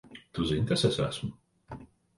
Tu zini, kas es esmu?